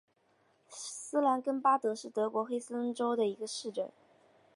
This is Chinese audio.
施兰根巴德是德国黑森州的一个市镇。